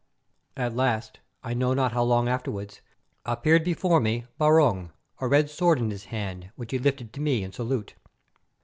At last, I know not how long afterwards, appeared before me Barung, a red sword in his hand, which he lifted to me in salute.